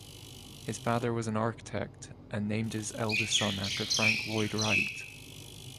His father was an architect and named his eldest son after Frank Lloyd Wright.